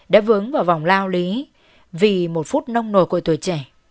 đã vướng vào vòng lao lý vì một phút nông nồi của tuổi trẻ